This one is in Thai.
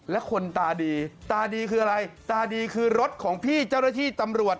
และคนตาดีตาดีคืออะไรตาดีคือรถของพี่เจ้าหน้าที่ตำรวจ